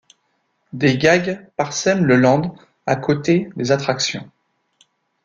Des gags parsèment le land à côté des attractions.